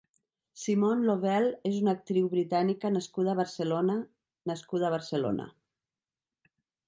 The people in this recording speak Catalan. Simone Lovell és una actriu britànica nascuda a Barcelona nascuda a Barcelona.